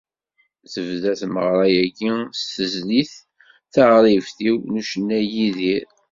Tebda tmeɣra-agi s tezlit “Taɣribt-iw” n ucennay Yidir.